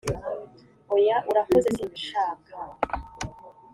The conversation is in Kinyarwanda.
oya, urakoze simbishaka.